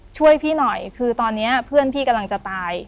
ช่วยพี่หน่อยคือตอนนี้เพื่อนพี่กำลังจะตาย